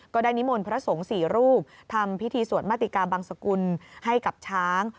นิมนต์พระสงฆ์๔รูปทำพิธีสวดมาติกาบังสกุลให้กับช้าง